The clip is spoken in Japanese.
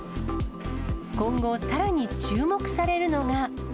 今後、さらに注目されるのが。